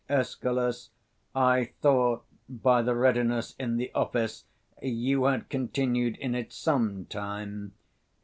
Escal. I thought, by your readiness in the office, you had 245 continued in it some time.